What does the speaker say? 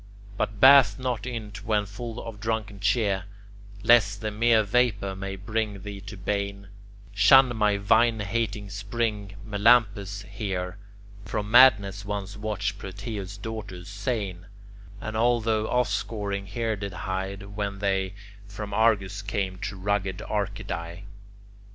But bathe not in't when full of drunken cheer, Lest the mere vapour may bring thee to bane; Shun my vine hating spring Melampus here From madness once washed Proetus' daughters sane, And all th' offscouring here did hide, when they From Argos came to rugged Arcady.